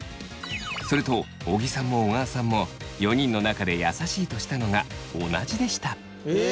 すると尾木さんも小川さんも４人の中で優しいとしたのが同じでした。